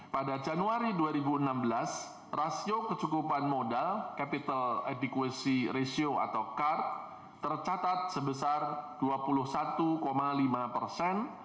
pada januari dua ribu enam belas rasio kecukupan modal tercatat sebesar dua puluh satu lima persen